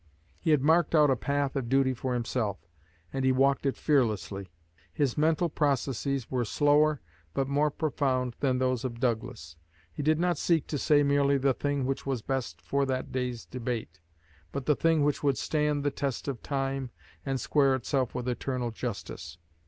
He had marked out a path of duty for himself, and he walked it fearlessly. His mental processes were slower but more profound than those of Douglas. He did not seek to say merely the thing which was best for that day's debate, but the thing which would stand the test of time and square itself with eternal justice.